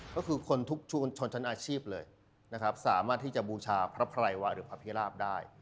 ก็คือคนทุกชุมชนชั้นอาชีพเลยนะครับสามารถที่จะบูชาพระไพรวะหรือพระพิราบได้